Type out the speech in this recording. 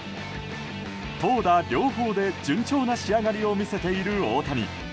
投打両方で順調な仕上がりを見せている大谷。